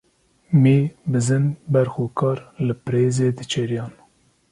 Mî, bizin, berx û kar li pirêzê diçêriyan.